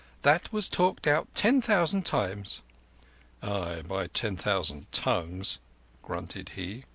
That was talked out ten thousand times." "Ay, by ten thousand tongues," grunted he.